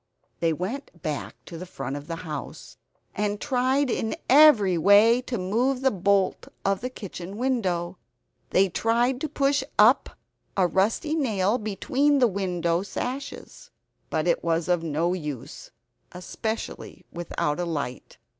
They went back to the front of the house, and tried in every way to move the bolt of the kitchen window. They tried to push up a rusty nail between the window sashes; but it was of no use, especially without a light.